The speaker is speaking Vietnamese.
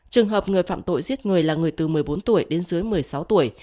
trường hợp người phạm tội giết người là người từ một mươi bốn tuổi đến dưới một mươi sáu tuổi